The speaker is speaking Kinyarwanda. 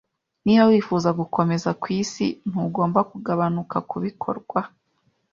Niba wifuza gukomeza kwisi, ntugomba kugabanuka kubikorwa.